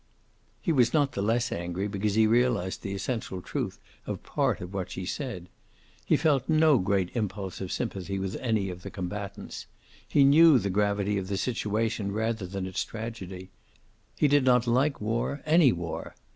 He was not the less angry because he realized the essential truth of part of what she said. He felt no great impulse of sympathy with any of the combatants. He knew the gravity of the situation rather than its tragedy. He did not like war, any war.